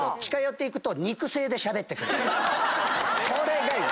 これがいい。